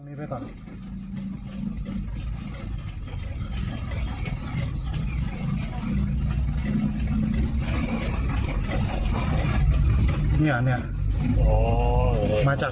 ก็เขามึงตามมานะครับสี่สี่มันยังเป็นกลายมันจะวิ่ง